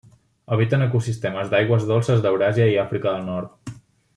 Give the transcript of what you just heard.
Habiten ecosistemes d'aigües dolces d'Euràsia i Àfrica del Nord.